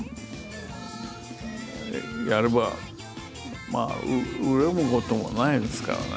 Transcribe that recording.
やればまあ恨むこともないですからね。